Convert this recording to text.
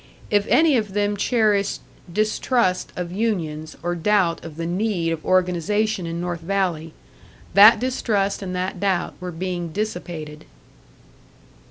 If any of them cherished distrust of unions, or doubt of the need of organisation in North Valley that distrust and that doubt were being dissipated!